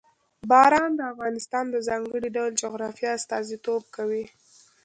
باران د افغانستان د ځانګړي ډول جغرافیه استازیتوب کوي.